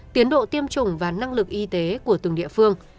tiến độ tiêm chủng và năng lực y tế của từng địa phương